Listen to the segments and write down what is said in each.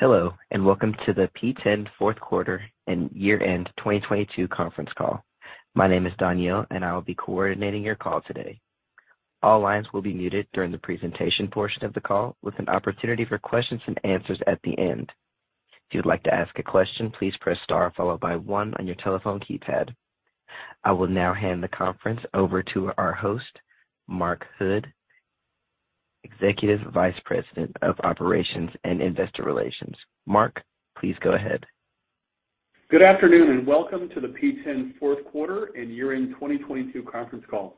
Hello, welcome to the P10 fourth quarter and year-end 2022 conference call. My name is Danielle, I will be coordinating your call today. All lines will be muted during the presentation portion of the call with an opportunity for questions and answers at the end. If you'd like to ask a question, please press star followed by one on your telephone keypad. I will now hand the conference over to our host, Mark Hood, Executive Vice President of Operations and Investor Relations. Mark, please go ahead. Good afternoon, welcome to the P10 fourth quarter and year-end 2022 conference call.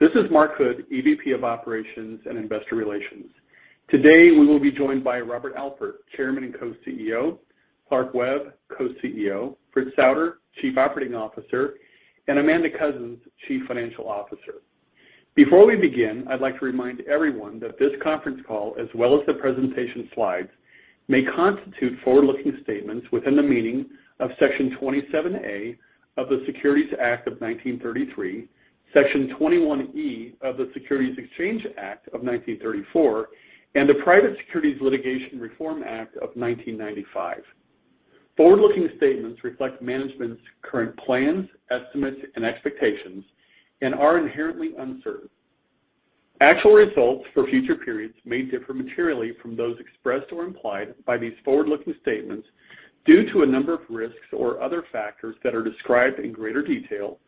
This is Mark Hood, EVP of Operations and Investor Relations. Today, we will be joined by Robert Alpert, Chairman and Co-CEO, Clark Webb, Co-CEO, Fritz Souder, Chief Operating Officer, and Amanda Coussens, Chief Financial Officer. Before we begin, I'd like to remind everyone that this conference call, as well as the presentation slides, may constitute forward-looking statements within the meaning of Section 27A of the Securities Act of 1933, Section 21E of the Securities Exchange Act of 1934, and the Private Securities Litigation Reform Act of 1995. Forward-looking statements reflect management's current plans, estimates, and expectations and are inherently uncertain. Actual results for future periods may differ materially from those expressed or implied by these forward-looking statements due to a number of risks or other factors that are described in greater detail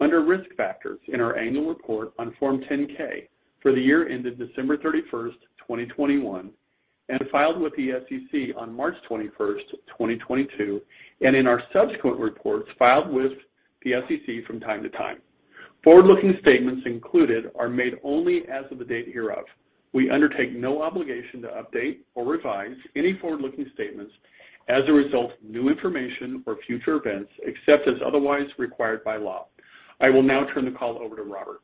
under Risk Factors in our annual report on Form 10-K for the year ended December 31st, 2021, and filed with the SEC on March 21st, 2022, and in our subsequent reports filed with the SEC from time to time. Forward-looking statements included are made only as of the date hereof. We undertake no obligation to update or revise any forward-looking statements as a result of new information or future events, except as otherwise required by law. I will now turn the call over to Robert.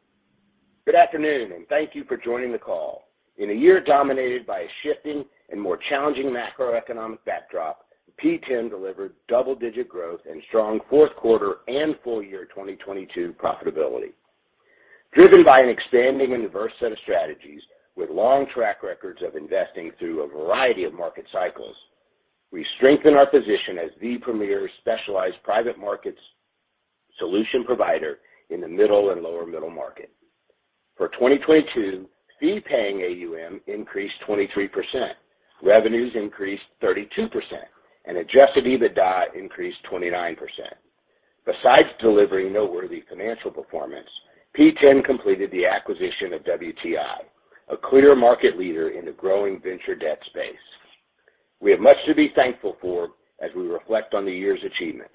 Good afternoon, and thank you for joining the call. In a year dominated by a shifting and more challenging macroeconomic backdrop, P10 delivered double-digit growth and strong fourth quarter and full year 2022 profitability. Driven by an expanding and diverse set of strategies with long track records of investing through a variety of market cycles, we strengthen our position as the premier specialized private markets solution provider in the middle and lower middle market. For 2022, Fee-Paying AUM increased 23%, revenues increased 32%, and Adjusted EBITDA increased 29%. Besides delivering noteworthy financial performance, P10 completed the acquisition of WTI, a clear market leader in the growing venture debt space. We have much to be thankful for as we reflect on the year's achievements.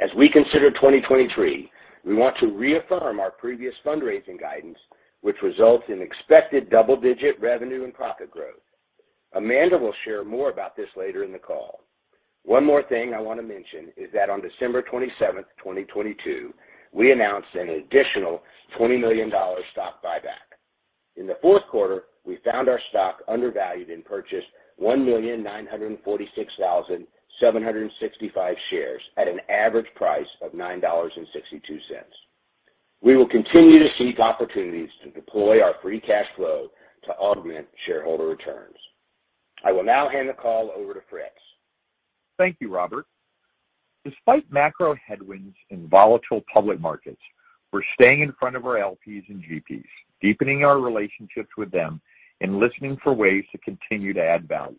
As we consider 2023, we want to reaffirm our previous fundraising guidance, which results in expected double-digit revenue and profit growth. Amanda will share more about this later in the call. One more thing I wanna mention is that on December 27, 2022, we announced an additional $20 million stock buyback. In the fourth quarter, we found our stock undervalued and purchased 1,946,765 shares at an average price of $9.62. We will continue to seek opportunities to deploy our free cash flow to augment shareholder returns. I will now hand the call over to Fritz. Thank you, Robert. Despite macro headwinds and volatile public markets, we're staying in front of our LPs and GPs, deepening our relationships with them and listening for ways to continue to add value.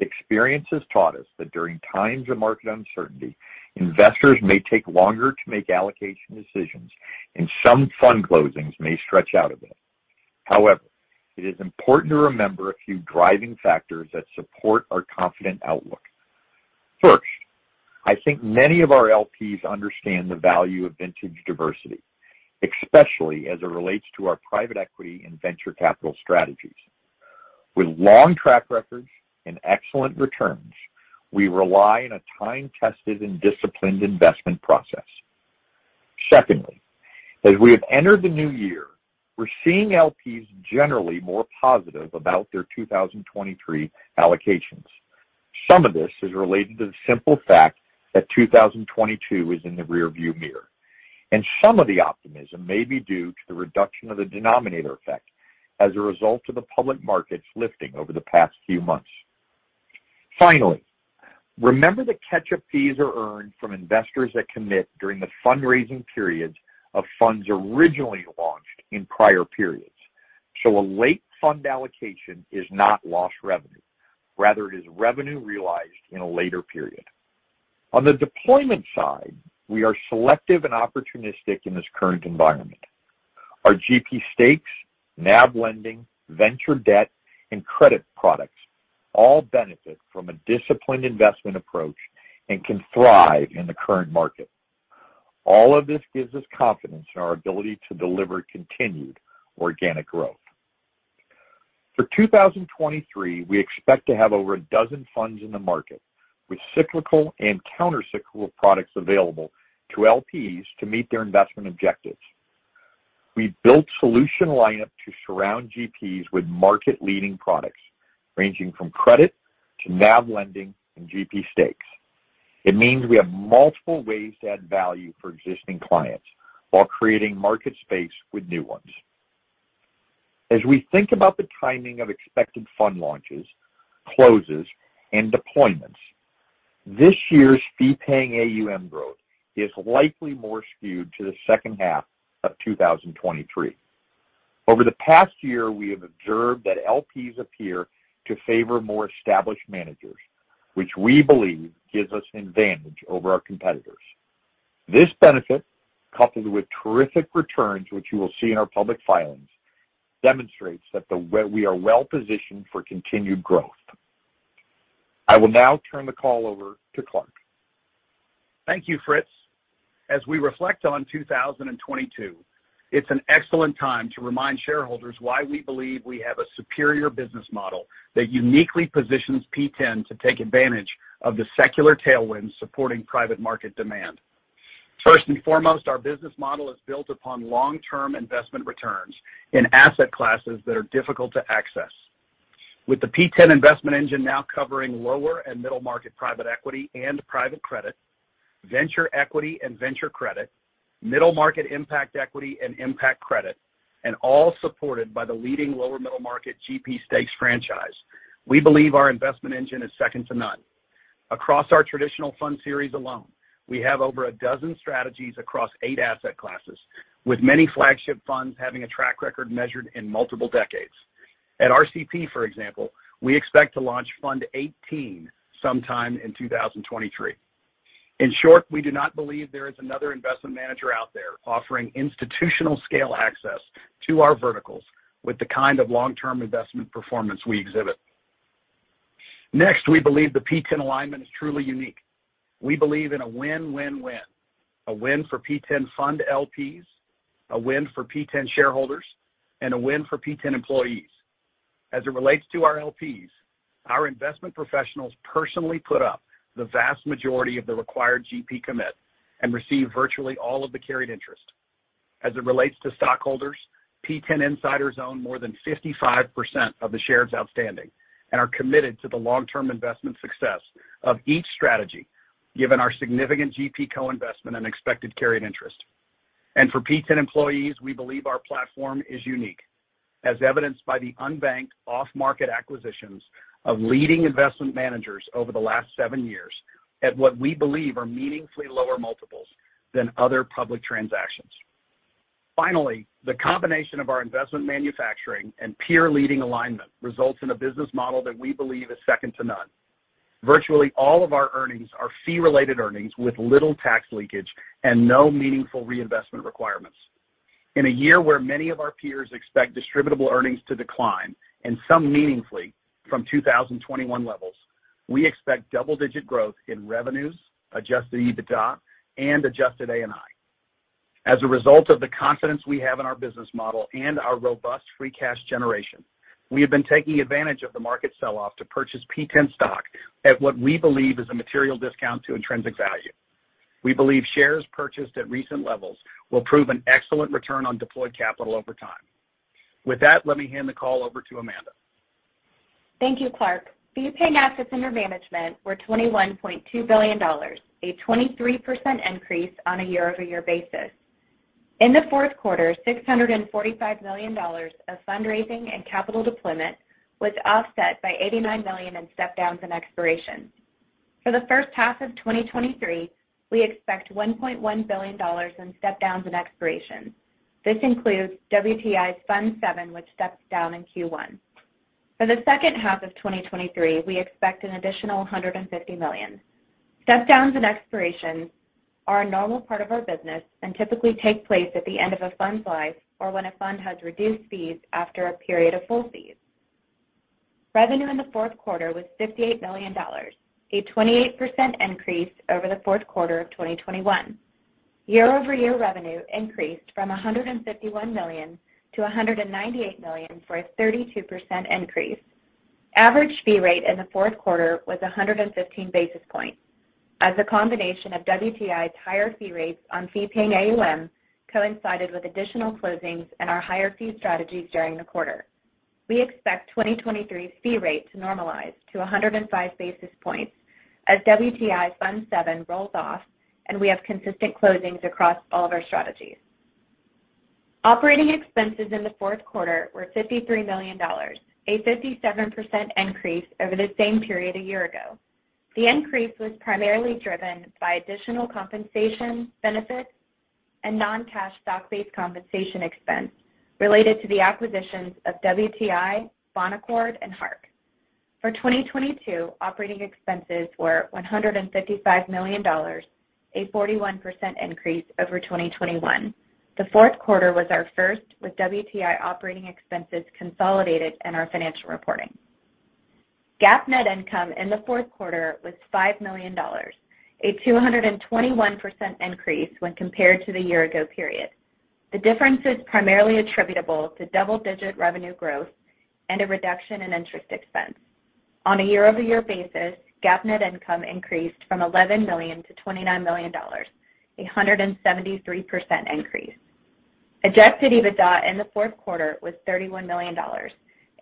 Experience has taught us that during times of market uncertainty, investors may take longer to make allocation decisions, and some fund closings may stretch out a bit. However, it is important to remember a few driving factors that support our confident outlook. First, I think many of our LPs understand the value of vintage diversity, especially as it relates to our private equity and venture capital strategies. With long track records and excellent returns, we rely on a time-tested and disciplined investment process. Secondly, as we have entered the new year, we're seeing LPs generally more positive about their 2023 allocations. Some of this is related to the simple fact that 2022 is in the rearview mirror, and some of the optimism may be due to the reduction of the denominator effect as a result of the public markets lifting over the past few months. Finally, remember that catch-up fees are earned from investors that commit during the fundraising periods of funds originally launched in prior periods. So a late fund allocation is not lost revenue. Rather, it is revenue realized in a later period. On the deployment side, we are selective and opportunistic in this current environment. Our GP stakes, NAV lending, venture debt, and credit products all benefit from a disciplined investment approach and can thrive in the current market. All of this gives us confidence in our ability to deliver continued organic growth. For 2023, we expect to have over 12 funds in the market, with cyclical and countercyclical products available to LPs to meet their investment objectives. We built solution lineup to surround GPs with market-leading products ranging from credit to NAV lending and GP stakes. It means we have multiple ways to add value for existing clients while creating market space with new ones. As we think about the timing of expected fund launches, closes, and deployments, this year's Fee-Paying AUM growth is likely more skewed to the second half of 2023. Over the past year, we have observed that LPs appear to favor more established managers, which we believe gives us an advantage over our competitors. This benefit, coupled with terrific returns, which you will see in our public filings, demonstrates that we are well-positioned for continued growth. I will now turn the call over to Clark. Thank you, Fritz. As we reflect on 2022, it's an excellent time to remind shareholders why we believe we have a superior business model that uniquely positions P10 to take advantage of the secular tailwinds supporting private market demand. First and foremost, our business model is built upon long-term investment returns in asset classes that are difficult to access. With the P10 investment engine now covering lower and middle-market private equity and private credit, venture equity and venture credit, middle-market impact equity and impact credit, and all supported by the leading lower middle market GP stakes franchise, we believe our investment engine is second to none. Across our traditional fund series alone, we have over a dozen strategies across eight asset classes, with many flagship funds having a track record measured in multiple decades. At RCP, for example, we expect to launch Fund 18 sometime in 2023. In short, we do not believe there is another investment manager out there offering institutional scale access to our verticals with the kind of long-term investment performance we exhibit. Next, we believe the P10 alignment is truly unique. We believe in a win-win-win, a win for P10 fund LPs, a win for P10 shareholders, and a win for P10 employees. As it relates to our LPs, our investment professionals personally put up the vast majority of the required GP Commitment and receive virtually all of the carried interest. As it relates to stockholders, P10 insiders own more than 55% of the shares outstanding and are committed to the long-term investment success of each strategy given our significant GP co-investment and expected carried interest. For P10 employees, we believe our platform is unique, as evidenced by the unbanked off-market acquisitions of leading investment managers over the last seven years at what we believe are meaningfully lower multiples than other public transactions. Finally, the combination of our investment manufacturing and peer leading alignment results in a business model that we believe is second to none. Virtually all of our earnings are Fee-Related Earnings with little tax leakage and no meaningful reinvestment requirements. In a year where many of our peers expect distributable earnings to decline, and some meaningfully from 2021 levels, we expect double-digit growth in revenues, Adjusted EBITDA, and Adjusted ANI. As a result of the confidence we have in our business model and our robust free cash generation, we have been taking advantage of the market sell-off to purchase P10 stock at what we believe is a material discount to intrinsic value. We believe shares purchased at recent levels will prove an excellent return on deployed capital over time. With that, let me hand the call over to Amanda. Thank you, Clark. Fee-Paying assets under management were $21.2 billion, a 23% increase on a year-over-year basis. In the fourth quarter, $645 million of fundraising and capital deployment was offset by $89 million in step-downs and expirations. For the first half of 2023, we expect $1.1 billion in step-downs and expirations. This includes WTI Fund VII, which steps down in Q1. For the second half of 2023, we expect an additional $150 million. Step-downs and expirations are a normal part of our business and typically take place at the end of a fund's life or when a fund has reduced fees after a period of full fees. Revenue in the fourth quarter was $58 million, a 28% increase over the fourth quarter of 2021. Year-over-year revenue increased from $151 million to $198 million for a 32% increase. Average fee rate in the fourth quarter was 115 basis points as a combination of WTI's higher fee rates on Fee-Paying AUM coincided with additional closings and our higher fee strategies during the quarter. We expect 2023's fee rate to normalize to 105 basis points as WTI Fund VII rolls off, and we have consistent closings across all of our strategies. Operating expenses in the fourth quarter were $53 million, a 57% increase over the same period a year ago. The increase was primarily driven by additional compensation benefits and non-cash stock-based compensation expense related to the acquisitions of WTI, Bonaccord, and Hark. For 2022, operating expenses were $155 million, a 41% increase over 2021. The fourth quarter was our first with WTI operating expenses consolidated in our financial reporting. GAAP net income in the fourth quarter was $5 million, a 221% increase when compared to the year ago period. The difference is primarily attributable to double-digit revenue growth and a reduction in interest expense. On a year-over-year basis, GAAP net income increased from $11 million to $29 million, a 173% increase. Adjusted EBITDA in the fourth quarter was $31 million,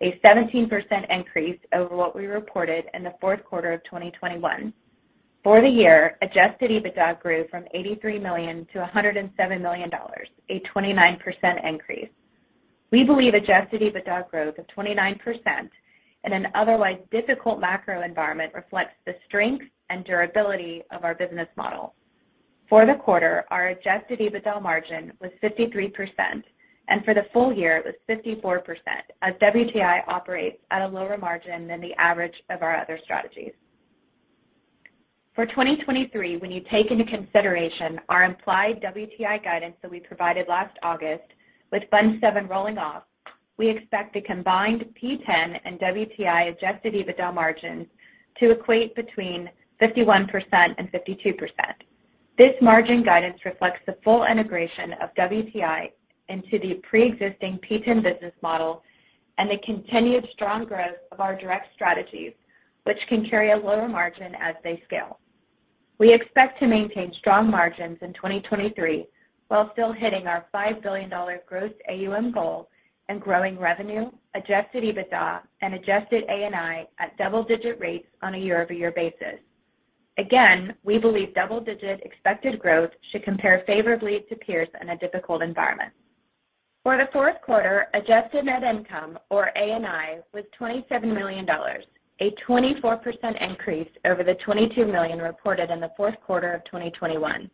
a 17% increase over what we reported in the fourth quarter of 2021. For the year, Adjusted EBITDA grew from $83 million to $107 million, a 29% increase. We believe Adjusted EBITDA growth of 29% in an otherwise difficult macro environment reflects the strength and durability of our business model. For the quarter, our Adjusted EBITDA margin was 53%, and for the full year, it was 54%, as WTI operates at a lower margin than the average of our other strategies. For 2023, when you take into consideration our implied WTI guidance that we provided last August, with Fund VII rolling off, we expect a combined P10 and WTI Adjusted EBITDA margins to equate between 51% and 52%. This margin guidance reflects the full integration of WTI into the preexisting P10 business model and the continued strong growth of our direct strategies, which can carry a lower margin as they scale. We expect to maintain strong margins in 2023 while still hitting our $5 billion gross AUM goal and growing revenue, Adjusted EBITDA, and Adjusted ANI at double-digit rates on a year-over-year basis. Again, we believe double-digit expected growth should compare favorably to peers in a difficult environment. For the fourth quarter, Adjusted Net Income, or ANI, was $27 million, a 24% increase over the $22 million reported in the fourth quarter of 2021.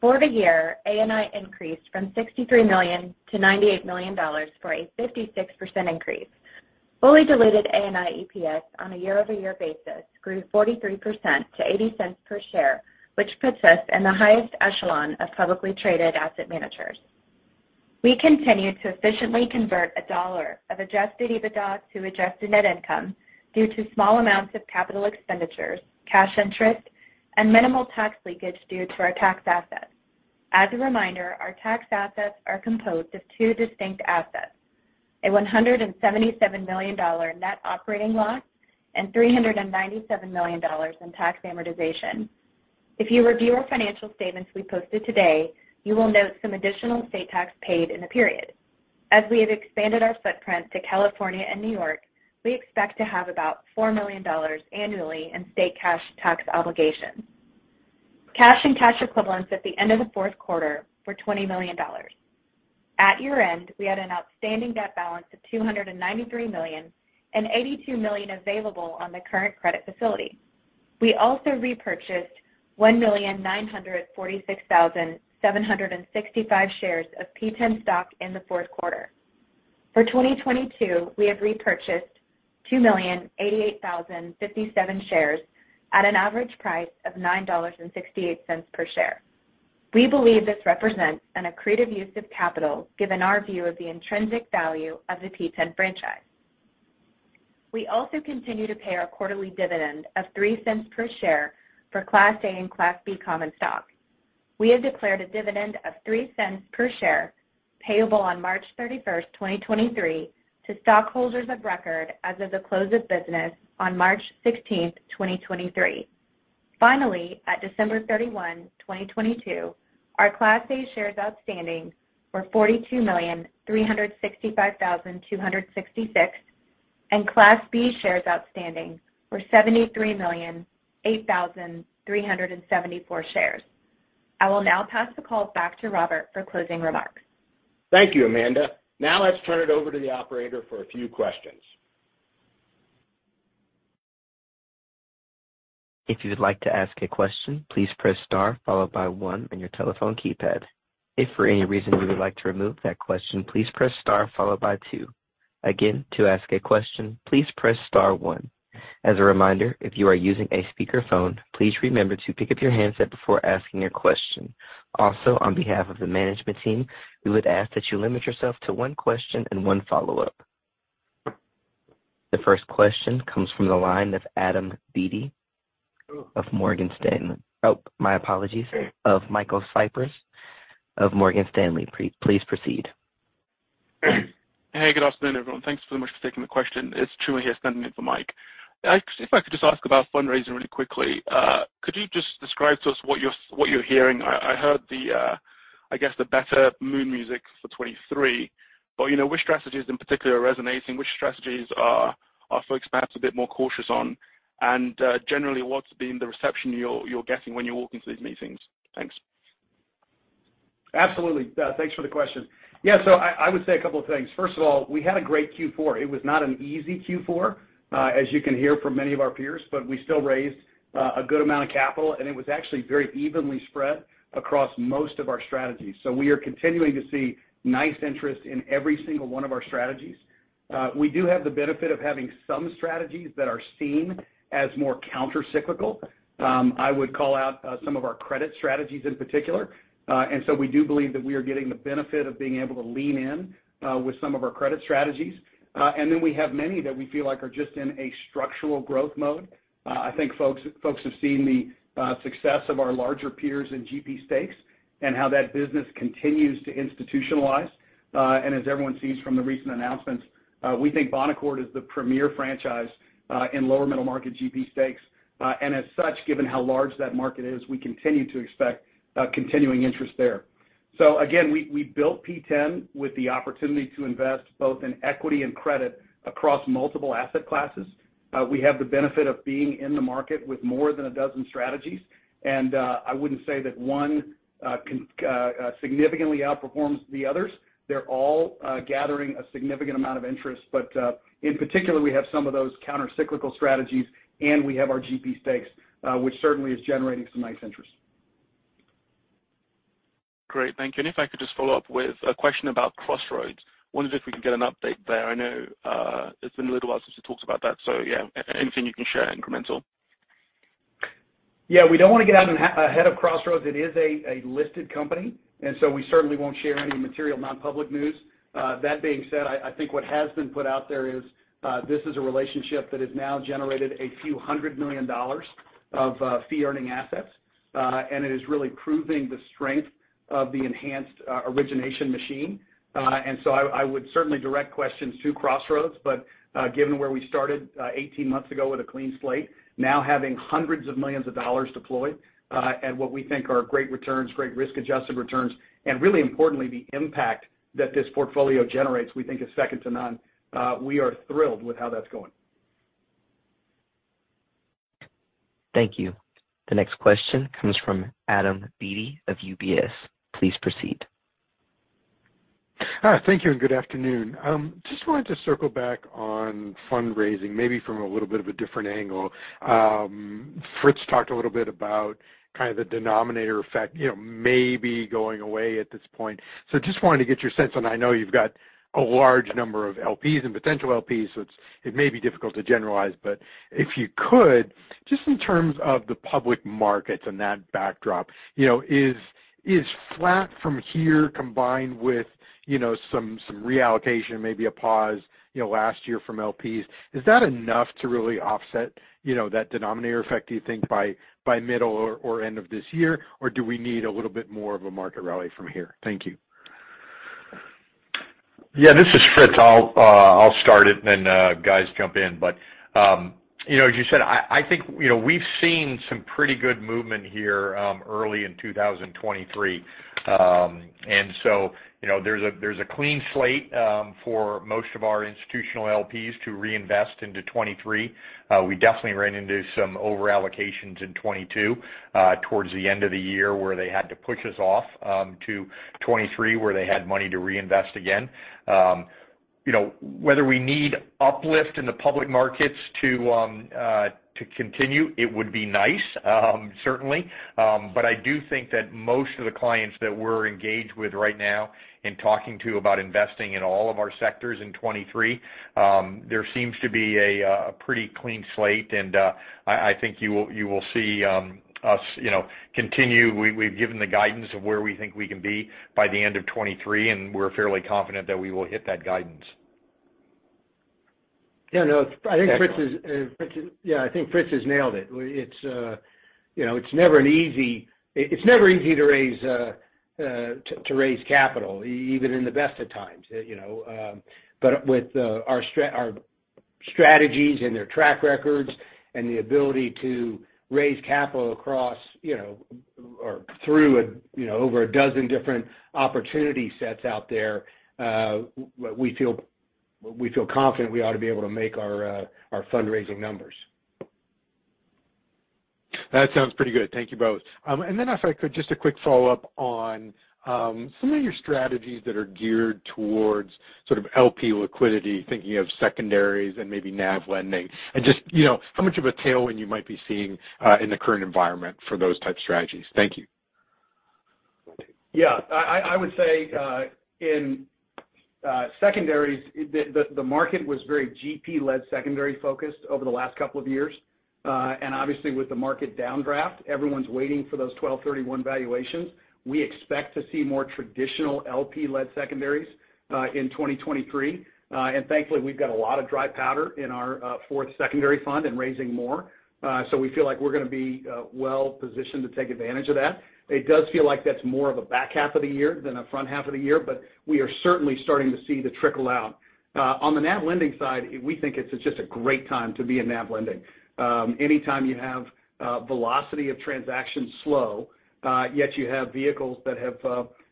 For the year, ANI increased from $63 million to $98 million for a 56% increase. Fully diluted ANI EPS on a year-over-year basis grew 43% to $0.80 per share, which puts us in the highest echelon of publicly traded asset managers. We continue to efficiently convert a dollar of Adjusted EBITDA to Adjusted Net Income due to small amounts of capital expenditures, cash interest, and minimal tax leakage due to our tax assets. As a reminder, our tax assets are composed of two distinct assets, a $177 million Net Operating Loss and $397 million in tax amortization. If you review our financial statements we posted today, you will note some additional state tax paid in the period. As we have expanded our footprint to California and New York, we expect to have about $4 million annually in state cash tax obligations. Cash and cash equivalents at the end of the fourth quarter were $20 million. At year-end, we had an outstanding debt balance of $293 million and $82 million available on the current credit facility. We also repurchased 1,946,765 shares of P10 stock in the fourth quarter. For 2022, we have repurchased 2,088,057 shares at an average price of $9.68 per share. We believe this represents an accretive use of capital given our view of the intrinsic value of the P10 franchise. We also continue to pay our quarterly dividend of $0.03 per share for Class A and Class B common stock. We have declared a dividend of $0.03 per share payable on March 31, 2023, to stockholders of record as of the close of business on March 16, 2023. Finally, at December 31, 2022, our Class A shares outstanding were 42,365,266, and Class B shares outstanding were 73,008,374 shares. I will now pass the call back to Robert for closing remarks. Thank you, Amanda. Now let's turn it over to the operator for a few questions. If you would like to ask a question, please press star followed by one on your telephone keypad. If for any reason you would like to remove that question, please press star followed by two. Again, to ask a question, please press star one. As a reminder, if you are using a speakerphone, please remember to pick up your handset before asking your question. Also, on behalf of the management team, we would ask that you limit yourself to one question and one follow-up. The first question comes from the line of Adam Beatty of Morgan Stanley. Oh, my apologies. Of Michael Cyprys of Morgan Stanley. Please proceed. Hey, good afternoon, everyone. Thanks so much for taking the question. It's Truman here standing in for Mike. If I could just ask about fundraising really quickly. Could you just describe to us what you're hearing? I heard the, I guess the better mood music for 2023, you know, which strategies in particular are resonating? Which strategies are folks perhaps a bit more cautious on? Generally, what's been the reception you're getting when you walk into these meetings? Thanks. Absolutely. Thanks for the question. I would say a couple of things. First of all, we had a great Q4. It was not an easy Q4, as you can hear from many of our peers, but we still raised a good amount of capital, and it was actually very evenly spread across most of our strategies. So we are continuing to see nice interest in every single one of our strategies. We do have the benefit of having some strategies that are seen as more countercyclical. I would call out some of our credit strategies in particular and so we do believe that we are getting the benefit of being able to lean in with some of our credit strategies and then we have many that we feel like are just in a structural growth mode. I think folks have seen the success of our larger peers in GP stakes and how that business continues to institutionalize. As everyone sees from the recent announcements, we think Bonaccord is the premier franchise in lower middle market GP stakes. As such, given how large that market is, we continue to expect continuing interest there. Again, we built P10 with the opportunity to invest both in equity and credit across multiple asset classes. We have the benefit of being in the market with more than a dozen strategies. I wouldn't say that one significantly outperforms the others. They're all gathering a significant amount of interest, but in particular, we have some of those countercyclical strategies, and we have our GP stakes, which certainly is generating some nice interest. Great. Thank you. If I could just follow up with a question about Crossroads. Wondering if we can get an update there? I know, it's been a little while since we talked about that, so yeah, anything you can share incremental? Yeah. We don't wanna get out ahead of Crossroads. It is a listed company, and so we certainly won't share any material nonpublic news. That being said, I think what has been put out there is this is a relationship that has now generated a few hundred million dollars of fee-earning assets, and it is really proving the strength of the enhanced origination machine. I would certainly direct questions to Crossroads, but given where we started, 18 months ago with a clean slate, now having hundreds of millions of dollars deployed, at what we think are great returns, great risk-adjusted returns, and really importantly, the impact that this portfolio generates, we think is second to none. We are thrilled with how that's going. Thank you. The next question comes from Adam Beatty of UBS. Please proceed. Hi, thank you and good afternoon. Just wanted to circle back on fundraising maybe from a little bit of a different angle. Fritz talked a little bit about kind of the denominator effect, you know, maybe going away at this point. Just wanted to get your sense, and I know you've got a large number of LPs and potential LPs, so it's, it may be difficult to generalize, but if you could, just in terms of the public markets and that backdrop, you know, is flat from here combined with, you know, some reallocation, maybe a pause, you know, last year from LPs, is that enough to really offset, you know, that denominator effect, do you think by middle or end of this year, or do we need a little bit more of a market rally from here? Thank you. Yeah. This is Fritz. I'll start it, then guys jump in. You know, as you said, I think, you know, we've seen some pretty good movement here early in 2023. You know, there's a clean slate for most of our institutional LPs to reinvest into 2023. We definitely ran into some over-allocations in 2022 towards the end of the year where they had to push us off to 2023 where they had money to reinvest again. You know, whether we need uplift in the public markets to continue, it would be nice, certainly. But I do think that most of the clients that we're engaged with right now and talking to about investing in all of our sectors in 23, there seems to be a pretty clean slate, and I think you will see us, you know, continue. We've given the guidance of where we think we can be by the end of 2023, and we're fairly confident that we will hit that guidance. Yeah, no, I think Fritz is. Yeah, I think Fritz has nailed it. It's, you know, it's never easy to raise capital even in the best of times, you know. With our strategies and their track records and the ability to raise capital across, you know, or through a, you know, over a dozen different opportunity sets out there, we feel confident we ought to be able to make our fundraising numbers. That sounds pretty good. Thank you both and if I could, just a quick follow-up on, some of your strategies that are geared towards sort of LP liquidity, thinking of secondaries and maybe NAV lending, and just, you know, how much of a tailwind you might be seeing, in the current environment for those type strategies. Thank you. Yeah. I would say in secondaries, the market was very GP-led secondary focused over the last couple of years and obviously with the market downdraft, everyone's waiting for those 12/31 valuations. We expect to see more traditional LP-led secondaries in 2023. Thankfully, we've got a lot of dry powder in our fourth secondary fund and raising more. We feel like we're gonna be well positioned to take advantage of that. It does feel like that's more of a back half of the year than a front half of the year, but we are certainly starting to see the trickle out. On the NAV lending side, we think it's just a great time to be in NAV lending. Anytime you have velocity of transactions slow, yet you have vehicles that have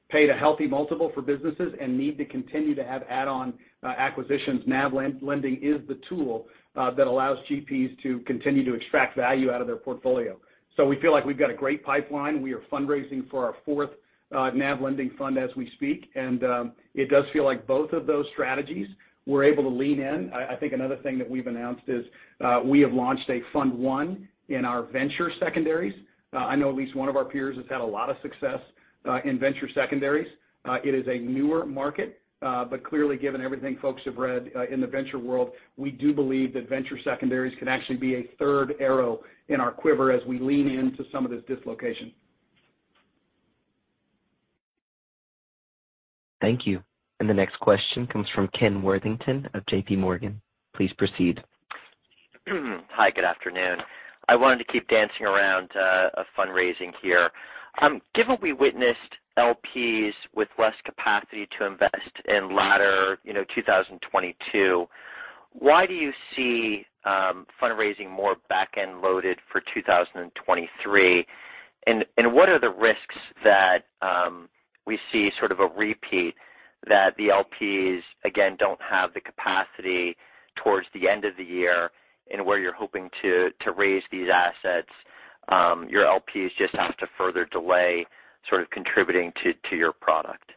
paid a healthy multiple for businesses and need to continue to have add-on acquisitions, NAV lending is the tool that allows GPs to continue to extract value out of their portfolio. We feel like we've got a great pipeline. We are fundraising for our fourth NAV lending fund as we speak, and it does feel like both of those strategies we're able to lean in. I think another thing that we've announced is we have launched a fund one in our venture secondaries. I know at least one of our peers has had a lot of success in venture secondaries. It is a newer market, but clearly given everything folks have read, in the venture world, we do believe that venture secondaries can actually be a third arrow in our quiver as we lean into some of this dislocation. Thank you. The next question comes from Kenneth Worthington of JPMorgan. Please proceed. Hi, good afternoon. I wanted to keep dancing around, of fundraising here. Given we witnessed LPs with less capacity to invest in latter, you know, 2022, why do you see fundraising more back-end loaded for 2023? And what are the risks that we see sort of a repeat that the LPs again don't have the capacity towards the end of the year and where you're hoping to raise these assets, your LPs just have to further delay sort of contributing to your product?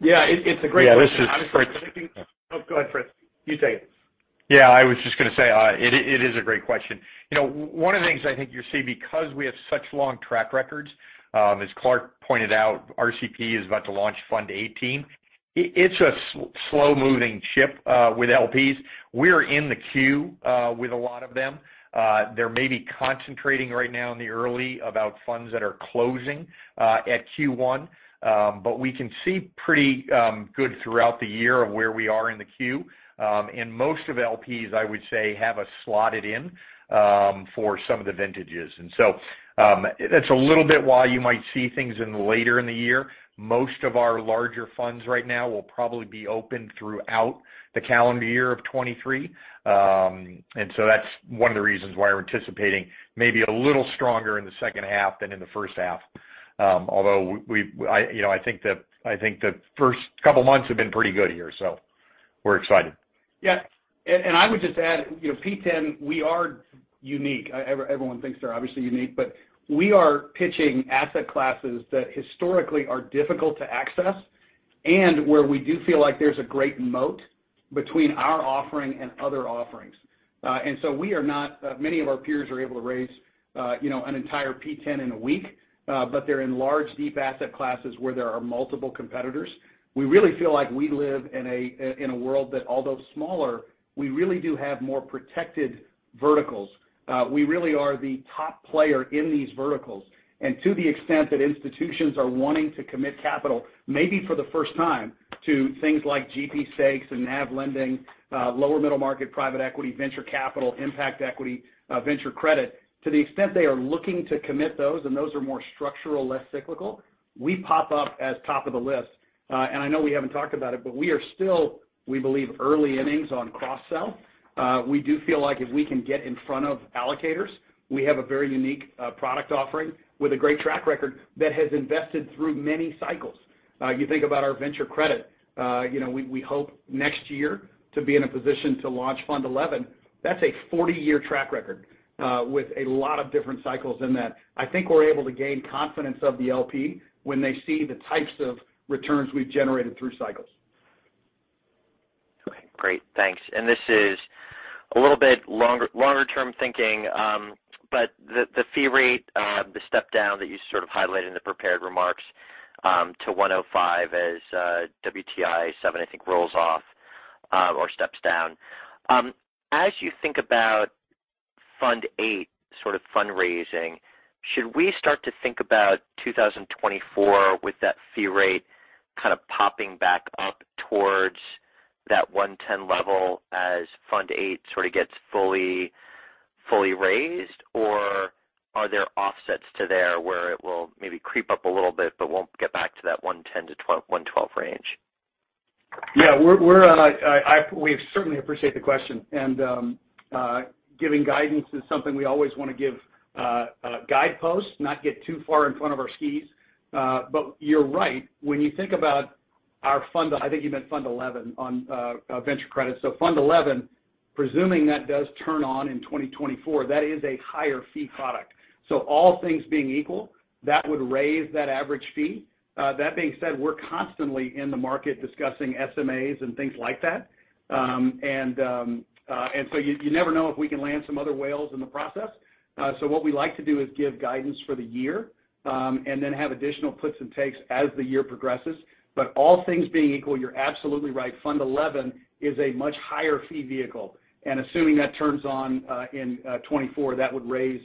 Yeah. It's a great question. Yeah. This is Fritz. I just want to... Oh, go ahead, Fritz. You take it. Yeah, I was just gonna say, it is a great question. You know, one of the things I think you see because we have such long track records, as Clark pointed out, RCP is about to launch Fund XVIII. It's a slow moving ship with LPs. We're in the queue with a lot of them. They may be concentrating right now in the early about funds that are closing at Q1, but we can see pretty good throughout the year of where we are in the queue. In most of LPs, I would say, have us slotted in for some of the vintages. It's a little bit why you might see things in the later in the year. Most of our larger funds right now will probably be open throughout the calendar year of 2023. And so that's one of the reasons why we're anticipating maybe a little stronger in the second half than in the first half. Although I, you know, I think the first couple months have been pretty good here, so we're excited. Yeah. I would just add, you know, P10, we are unique. Everyone thinks they're obviously unique, but we are pitching asset classes that historically are difficult to access and where we do feel like there's a great moat between our offering and other offerings. We are not, many of our peers are able to raise, you know, an entire P10 in a week, but they're in large, deep asset classes where there are multiple competitors. We really feel like we live in a, in a world that, although smaller, we really do have more protected verticals. We really are the top player in these verticals. To the extent that institutions are wanting to commit capital, maybe for the first time, to things like GP stakes and NAV lending, lower middle market, private equity, venture capital, impact equity, venture credit. To the extent they are looking to commit those, and those are more structural, less cyclical, we pop up as top of the list. I know we haven't talked about it, but we are still, we believe, early innings on cross-sell. We do feel like if we can get in front of allocators, we have a very unique product offering with a great track record that has invested through many cycles. You think about our venture credit, you know, we hope next year to be in a position to launch Fund XI. That's a 40-year track record, with a lot of different cycles in that. I think we're able to gain confidence of the LP when they see the types of returns we've generated through cycles. Okay. Great. Thanks. This is a little bit longer term thinking, but the fee rate, the step down that you sort of highlighted in the prepared remarks, to 105 as WTI Fund VII, I think rolls off, or steps down. As you think about Fund VIII sort of fundraising, should we start to think about 2024 with that fee rate kind of popping back up towards that 110 level as Fund VIII sort of gets fully raised? Or are there offsets to there where it will maybe creep up a little bit but won't get back to that 110-112 range? Yeah. We certainly appreciate the question and giving guidance is something we always wanna give a guidepost, not get too far in front of our skis. You're right. When you think about our fund, I think you meant Fund XI on venture credit. Fund XI, presuming that does turn on in 2024, that is a higher fee product. So all things being equal, that would raise that average fee. That being said, we're constantly in the market discussing SMAs and things like that. You never know if we can land some other whales in the process. So what we like to do is give guidance for the year, and then have additional puts and takes as the year progresses. But all things being equal, you're absolutely right, Fund XI is a much higher fee vehicle and assuming that turns on, in 2024, that would raise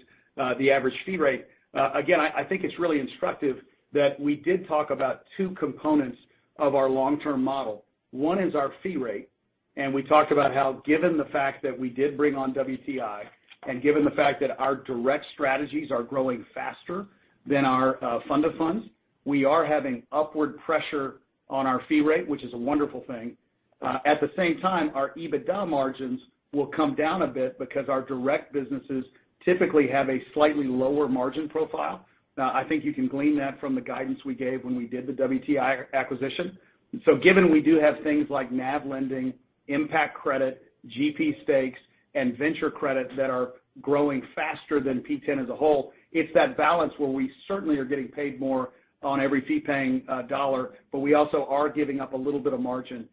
the average fee rate. Again, I think it's really instructive that we did talk about two components of our long-term model. One is our fee rate, and we talked about how given the fact that we did bring on WTI and given the fact that our direct strategies are growing faster than our fund of funds, we are having upward pressure on our fee rate, which is a wonderful thing. At the same time, our EBITDA margins will come down a bit because our direct businesses typically have a slightly lower margin profile. I think you can glean that from the guidance we gave when we did the WTI acquisition. So given we do have things like NAV lending, impact credit, GP stakes, and venture credit that are growing faster than P10 as a whole, it's that balance where we certainly are getting paid more on every fee-paying dollar, but we also are giving up a little bit of margin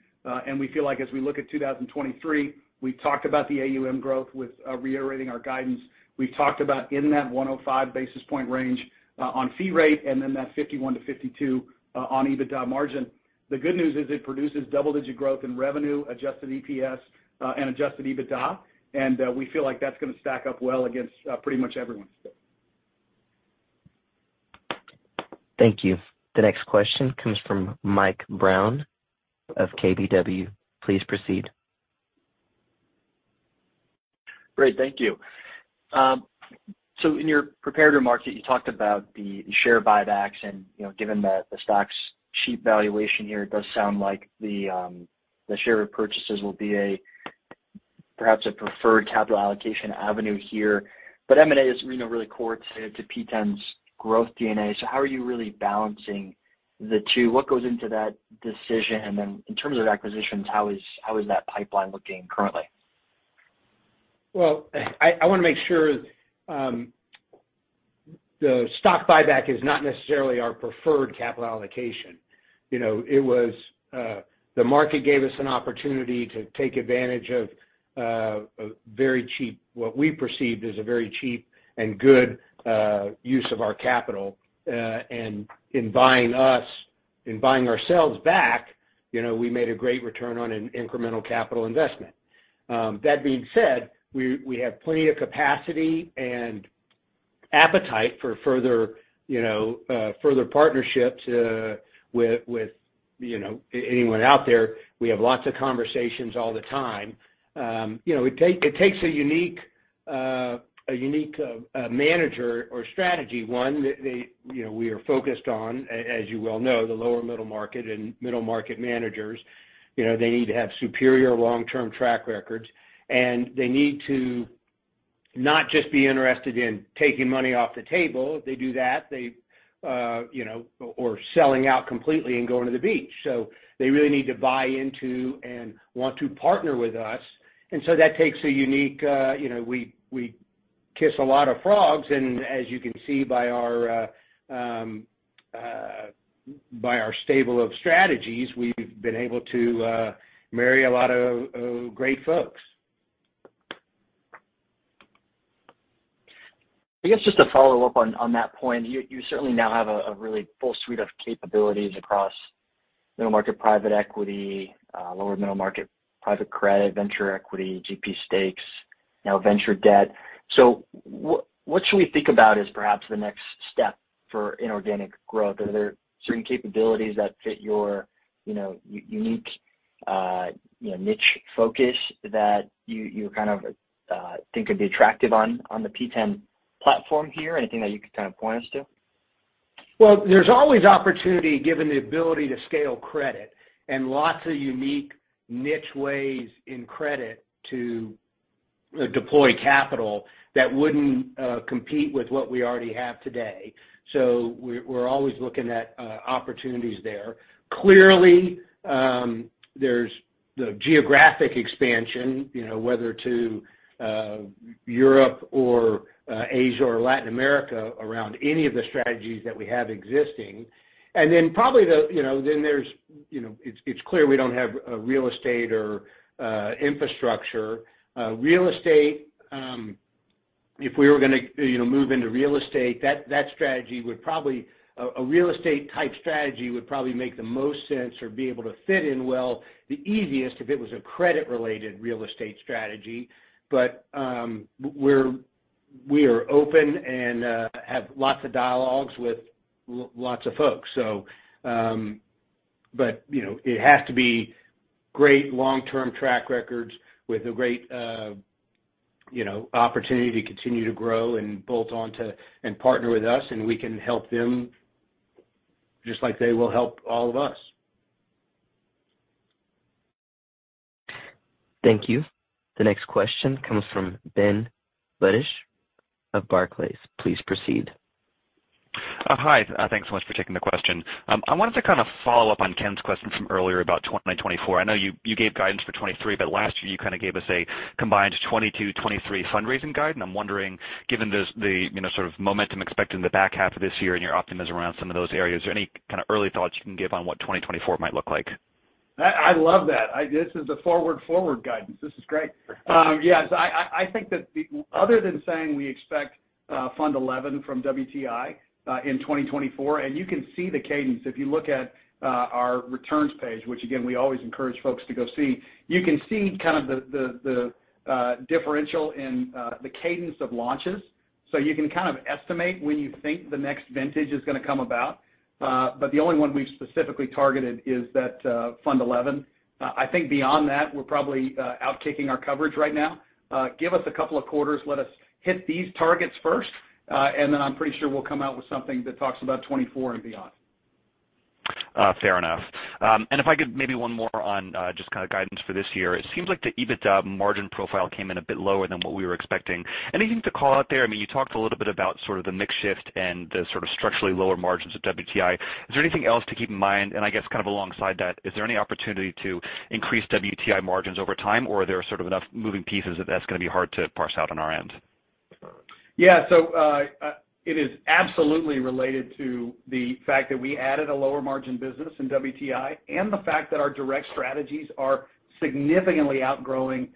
and we feel like as we look at 2023, we talked about the AUM growth with reiterating our guidance. We've talked about in that 105 basis point range on fee rate and then that 51%-52% on EBITDA margin. The good news is it produces double-digit growth in revenue, Adjusted EPS, and Adjusted EBITDA, and we feel like that's gonna stack up well against pretty much everyone. Thank you. The next question comes from Michael Brown of KBW. Please proceed. Great. Thank you. In your prepared remarks, you talked about the share buybacks and, you know, given the stock's cheap valuation here, it does sound like the share repurchases will be a, perhaps, a preferred capital allocation avenue here, but M&A is, you know, really core to P10's growth DNA. How are you really balancing the two? What goes into that decision? And then, in terms of acquisitions, how is that pipeline looking currently? Well, I wanna make sure, the stock buyback is not necessarily our preferred capital allocation. You know, the market gave us an opportunity to take advantage of a very cheap, what we perceived as a very cheap and good use of our capital and in buying ourselves back, you know, we made a great return on an incremental capital investment. That being said, we have plenty of capacity and appetite for further, you know, further partnerships, with, you know, anyone out there. We have lots of conversations all the time. You know, it takes a unique manager or strategy, one that we are focused on, as you well know, the lower middle market and middle market managers. You know, they need to have superior long-term track records, and they need to not just be interested in taking money off the table. They do that, they, you know, or selling out completely and going to the beach, so they really need to buy into and want to partner with us and so that takes a unique, you know, we kiss a lot of frogs, and as you can see by our stable of strategies, we've been able to marry a lot of great folks. I guess just to follow up on that point, you certainly now have a really full suite of capabilities across middle market private equity, lower middle market private credit, venture equity, GP stakes, now venture debt. What should we think about as perhaps the next step for inorganic growth? Are there certain capabilities that fit your, you know, unique, you know, niche focus that you kind of think could be attractive on the P10 platform here? Anything that you could kind of point us to? Well, there's always opportunity given the ability to scale credit and lots of unique niche ways in credit to deploy capital that wouldn't compete with what we already have today. So we're always looking at opportunities there. Clearly, there's the geographic expansion, you know, whether to Europe or Asia or Latin America around any of the strategies that we have existing and then probably the, you know, then there's, you know, it's clear we don't have a real estate or infrastructure. Real estate, if we were gonna, you know, move into real estate, a real estate type strategy would probably make the most sense or be able to fit in well the easiest if it was a credit-related real estate strategy. But, we are open and have lots of dialogues with lots of folks. You know, it has to be great long-term track records with a great, you know, opportunity to continue to grow and bolt on to, and partner with us, and we can help them just like they will help all of us. Thank you. The next question comes from Benjamin Budish of Barclays. Please proceed. Hi. Thanks so much for taking the question. I wanted to kind of follow up on Ken's question from earlier about 2024. I know you gave guidance for 2023, but last year you kind of gave us a combined 2022, 2023 fundraising guide. I'm wondering, given this, the, you know, sort of momentum expected in the back half of this year and your optimism around some of those areas, are there any kind of early thoughts you can give on what 2024 might look like? I love that. This is a forward-forward guidance. This is great. Yes. I think that other than saying we expect Fund XI from WTI in 2024, you can see the cadence. If you look at our returns page, which again, we always encourage folks to go see, you can see kind of the differential in the cadence of launches. You can kind of estimate when you think the next vintage is gonna come about. But the only one we've specifically targeted is that Fund XI. I think beyond that, we're probably out kicking our coverage right now. Give us a couple of quarters, let us hit these targets first, and then I'm pretty sure we'll come out with something that talks about 2024 and beyond. Fair enough. If I could maybe one more on just kind of guidance for this year. It seems like the EBITDA margin profile came in a bit lower than what we were expecting. Anything to call out there? I mean, you talked a little bit about sort of the mix shift and the sort of structurally lower margins of WTI. Is there anything else to keep in mind? And I guess kind of alongside that, is there any opportunity to increase WTI margins over time, or are there sort of enough moving pieces that that's gonna be hard to parse out on our end? Yeah. It is absolutely related to the fact that we added a lower margin business in WTI and the fact that our direct strategies are significantly outgrowing,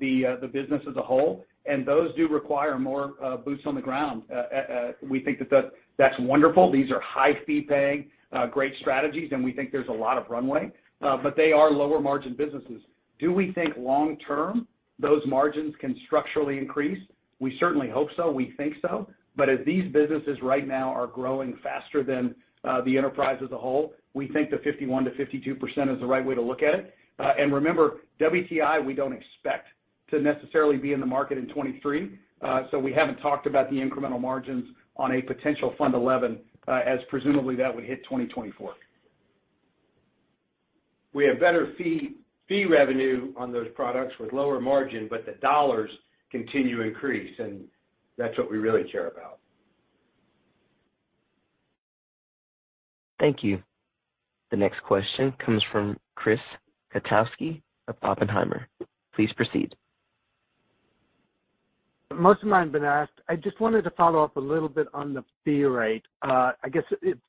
the business as a whole, and those do require more boots on the ground. We think that that's wonderful. These are high fee-paying, great strategies, and we think there's a lot of runway, but they are lower margin businesses. Do we think long-term those margins can structurally increase? We certainly hope so. We think so. As these businesses right now are growing faster than the enterprise as a whole, we think the 51%-52% is the right way to look at it and remember, WTI, we don't expect To necessarily be in the market in 2023, so we haven't talked about the incremental margins on a potential Fund XI, as presumably that would hit 2024. We have better fee revenue on those products with lower margin, but the dollars continue to increase, and that's what we really care about. Thank you. The next question comes from Chris Kotowski of Oppenheimer. Please proceed. Most of mine have been asked. I just wanted to follow up a little bit on the fee rate. I guess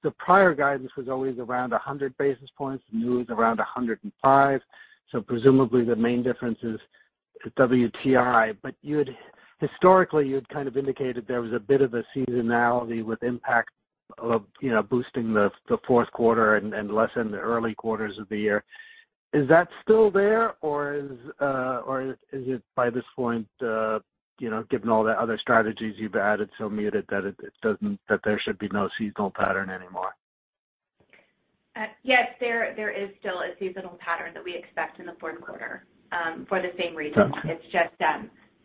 the prior guidance was always around 100 basis points. New is around 105. So presumably the main difference is the WTI. Historically, you had kind of indicated there was a bit of a seasonality with impact of, you know, boosting the fourth quarter and less in the early quarters of the year. Is that still there or is it by this point, you know, given all the other strategies you've added, so muted that it doesn't that there should be no seasonal pattern anymore? Yes, there is still a seasonal pattern that we expect in the fourth quarter for the same reason. Okay. It's just,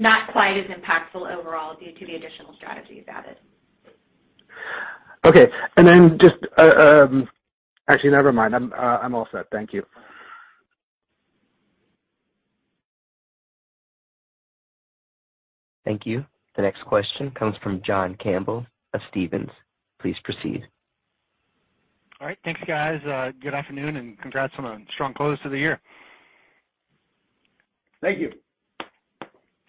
not quite as impactful overall due to the additional strategies added. Okay. Actually, never mind. I'm all set. Thank you. Thank you. The next question comes from John Campbell of Stephens. Please proceed. All right. Thanks, guys. good afternoon and congrats on a strong close to the year. Thank you.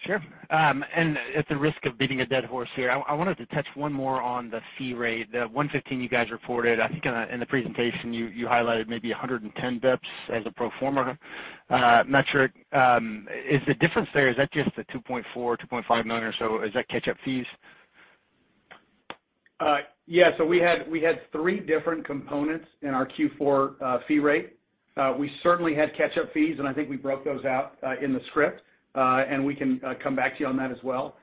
Sure. At the risk of beating a dead horse here, I wanted to touch one more on the fee rate. The 115 you guys reported, I think in the presentation you highlighted maybe 110 basis points as a pro forma metric. Is the difference there, is that just the $2.4 million-$2.5 million or so? Is that catch-up fees? Yeah, so we had three different components in our Q4 fee rate. We certainly had catch-up fees, and I think we broke those out in the script and we can come back to you on that as well.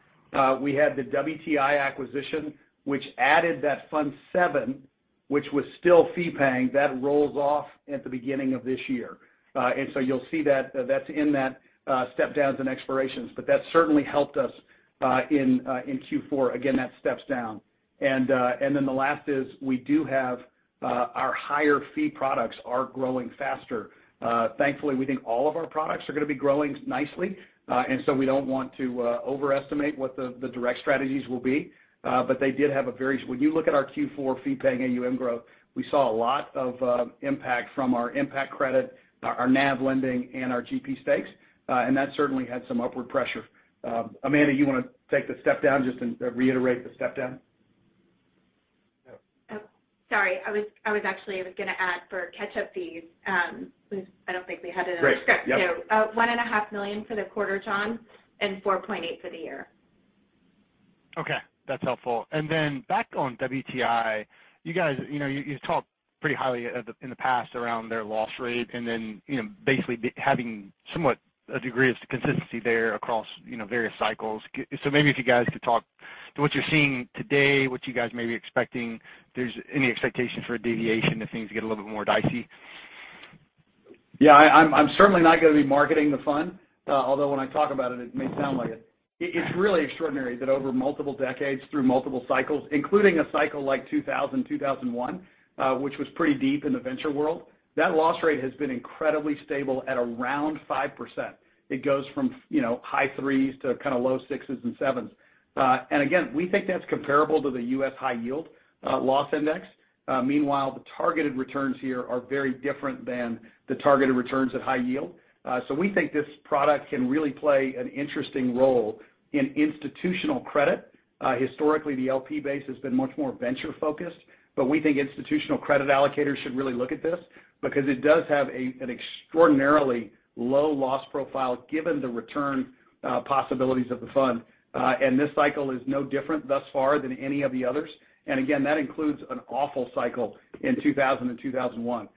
We had the WTI acquisition, which added that Fund VII, which was still fee paying. That rolls off at the beginning of this year. You'll see that's in that step-downs and expirations, but that certainly helped us in Q4. Again, that steps down and then the last is we do have our higher fee products are growing faster. Thankfully, we think all of our products are gonna be growing nicely and so we don't want to overestimate what the direct strategies will be. They did have a very, when you look at our Q4 Fee-Paying AUM growth, we saw a lot of impact from our impact credit, our NAV lending and our GP stakes and that certainly had some upward pressure. Amanda, you wanna take the step down, just reiterate the step down? Sorry, I was actually gonna add for catch-up fees, I don't think we had it in the script. Great. Yep. $1.5 million for the quarter, John, and $4.8 million for the year. Okay, that's helpful. Back on WTI, you guys, you know, you talked pretty highly of in the past around their loss rate and then, you know, basically having somewhat a degree of consistency there across, you know, various cycles. Maybe if you guys could talk to what you're seeing today, what you guys may be expecting? There's any expectations for a deviation if things get a little bit more dicey? Yeah, I'm certainly not gonna be marketing the fund. Although when I talk about it, it may sound like it. It's really extraordinary that over multiple decades, through multiple cycles, including a cycle like 2000, 2001, which was pretty deep in the venture world, that loss rate has been incredibly stable at around 5%. It goes from, you know, high 3s to kinda low 6s and 7s. And again, we think that's comparable to the U.S. High Yield loss index. Meanwhile, the targeted returns here are very different than the targeted returns at high yield. So we think this product can really play an interesting role in institutional credit. Historically, the LP base has been much more venture-focused, but we think institutional credit allocators should really look at this because it does have an extraordinarily low loss profile given the return possibilities of the fund and this cycle is no different thus far than any of the others. Again, that includes an awful cycle in 2000 and 2001,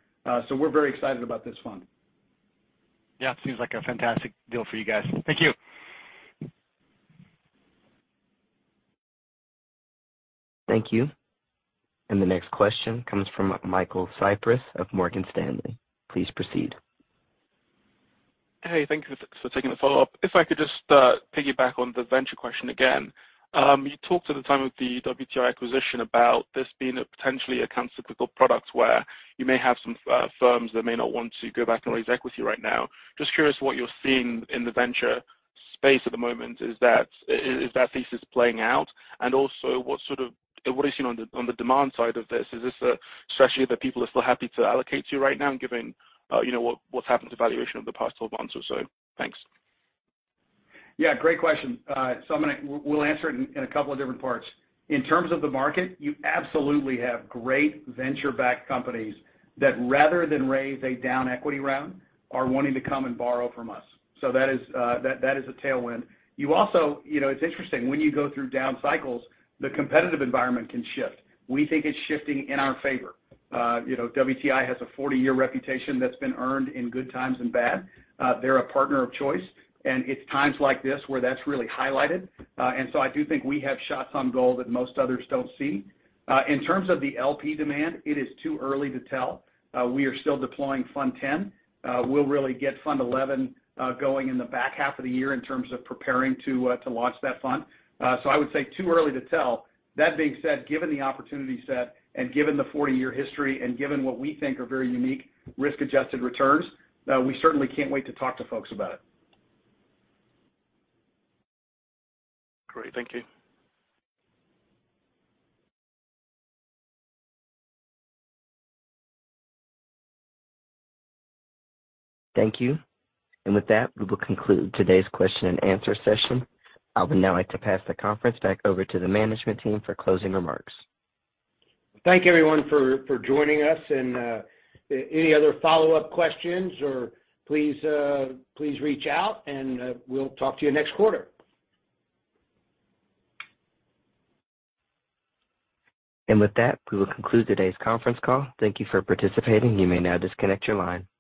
so we're very excited about this fund. Yeah. Seems like a fantastic deal for you guys. Thank you. Thank you. The next question comes from Michael Cyprys of Morgan Stanley. Please proceed. Hey, thank you for taking the follow-up. If I could just piggyback on the venture question again. You talked at the time of the WTI acquisition about this being a potentially a countercyclical product where you may have some firms that may not want to go back and raise equity right now. Just curious what you're seeing in the venture space at the moment. Is that thesis playing out? Also what are you seeing on the demand side of this? Is this a strategy that people are still happy to allocate to right now, given, you know, what's happened to valuation over the past 12 months or so? Thanks. Yeah, great question. We'll answer it in a couple of different parts. In terms of the market, you absolutely have great venture-backed companies that rather than raise a down equity round, are wanting to come and borrow from us. So that is a tailwind. You also, you know, it's interesting, when you go through down cycles, the competitive environment can shift. We think it's shifting in our favor. You know, WTI has a 40-year reputation that's been earned in good times and bad. They're a partner of choice, it's times like this where that's really highlighted. I do think we have shots on goal that most others don't see. In terms of the LP demand, it is too early to tell. We are still deploying Fund X. We'll really get Fund XI going in the back half of the year in terms of preparing to launch that fund. So, I would say too early to tell. That being said, given the opportunity set and given the 40-year history and given what we think are very unique risk-adjusted returns, we certainly can't wait to talk to folks about it. Great. Thank you. Thank you. With that, we will conclude today's question and answer session. I would now like to pass the conference back over to the management team for closing remarks. Thank you everyone for joining us. Any other follow-up questions or please reach out, and we'll talk to you next quarter. With that, we will conclude today's conference call. Thank you for participating. You may now disconnect your line.